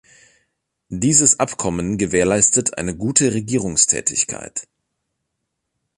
Dieses Abkommen gewährleistet eine gute Regierungstätigkeit.